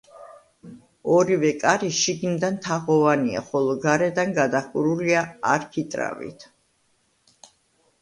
ორივე კარი შიგნიდან თაღოვანია, ხოლო გარედან გადახურულია არქიტრავით.